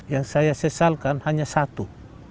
yang saya sesalkan hanya satu